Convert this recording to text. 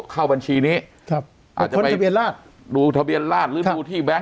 เข้าบัญชีนี้แทบข้อทะเบียนลาศดูทะเบียนลาศคือดูที่แบงค์